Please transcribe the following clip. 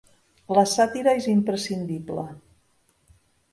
La sàtira és imprescindible.